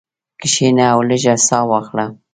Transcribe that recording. کښېنه او لږه ساه واخله.